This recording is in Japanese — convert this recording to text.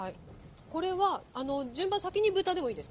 これは順番先に豚でもいいですか？